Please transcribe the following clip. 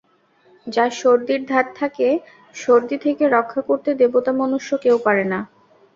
যার সর্দির ধাত তাকে সর্দি থেকে রক্ষা করতে দেবতা মনুষ্য কেউ পারে না।